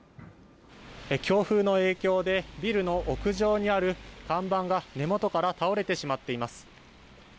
強風の影響で、ビルの屋上にある看板が根元から倒れてしまっています。